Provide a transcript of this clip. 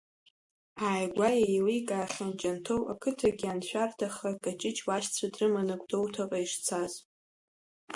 Ааигәа еиликаахьан Џьанҭоу ақыҭагьы аншәарҭаха, Каҷыҷ лашьцәа дрыманы Гәдоуҭаҟа ишцаз.